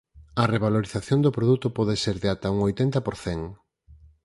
A revalorización do produto pode ser de ata un oitenta por cen.